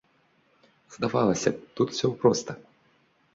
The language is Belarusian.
Здавалася б, тут усё проста.